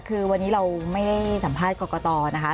คือวันนี้เราไม่ได้สัมภาษณ์กรกตนะคะ